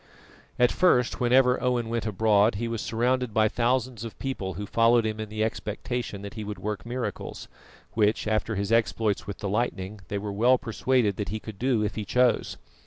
At first whenever Owen went abroad he was surrounded by thousands of people who followed him in the expectation that he would work miracles, which, after his exploits with the lightning, they were well persuaded that he could do if he chose.